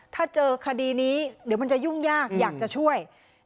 ถ้าเจอคดีนี้เดี๋ยวมันจะยุ่งยากอยากจะช่วย